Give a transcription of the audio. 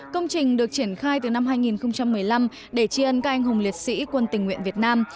công trình được triển khai từ năm hai nghìn một mươi năm để tri ân các anh hùng liệt sĩ quân tình nguyện việt nam